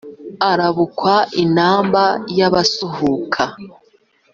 arabukwa inamba y’abasuhuka